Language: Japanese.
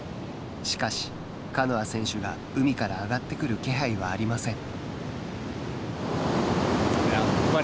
しかし、カノア選手が海から上がってくる気配はありません。